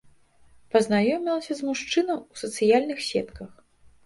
Пазнаёмілася з мужчынам у сацыяльных сетках.